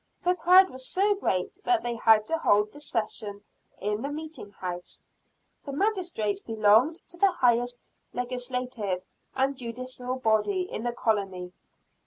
The crowd was so great that they had to hold the session in the meeting house The magistrates belonged to the highest legislative and judicial body in the colony.